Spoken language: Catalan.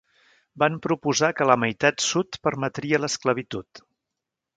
Van proposar que la meitat sud permetria l'esclavitud.